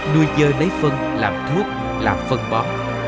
nuôi dơi lấy phân làm thuốc làm phân bó